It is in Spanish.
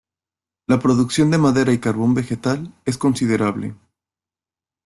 La producción de madera y carbón vegetal, es considerable.